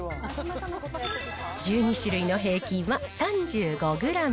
１２種類の平均は３５グラム。